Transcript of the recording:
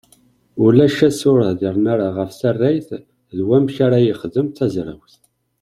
Ulac ass ur hdiren ara ɣef tarrayt d wamek ara yexdem tazrawt.